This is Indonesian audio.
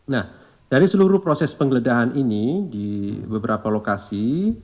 nah dari seluruh proses penggeledahan ini di beberapa lokasi